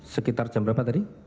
sekitar jam berapa tadi